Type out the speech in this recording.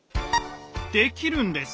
できるんです！